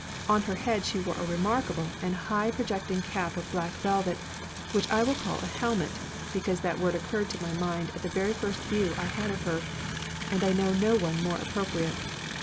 On her head she wore a remarkable and high projecting cap of black velvet, which I will call a helmet, because that word occurred to my mind at the very first view I had of her, and I know no one more appropriate.